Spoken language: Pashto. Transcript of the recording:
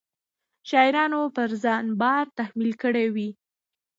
شاعرانو پر ځان بار تحمیل کړی وي.